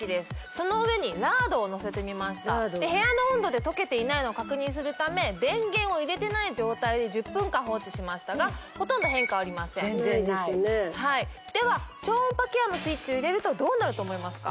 その上にラードをのせてみました部屋の温度で溶けていないのを確認するため電源を入れてない状態で１０分間放置しましたがほとんど変化はありません全然ないでは超音波ケアのスイッチを入れるとどうなると思いますか？